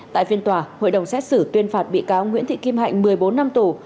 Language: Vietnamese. tại phiên tòa hội đồng xét xử tuyên phạt bị cáo nguyễn thị kim hạnh một mươi bốn năm tù